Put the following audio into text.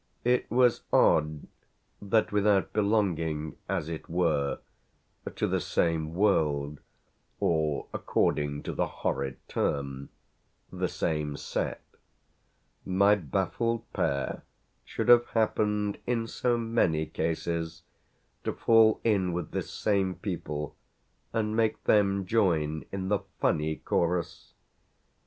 It was odd that without belonging, as it were, to the same world or, according to the horrid term, the same set, my baffled pair should have happened in so many cases to fall in with the same people and make them join in the funny chorus.